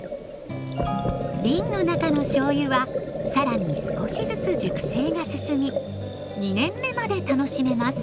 瓶の中のしょうゆは更に少しずつ熟成が進み２年目まで楽しめます。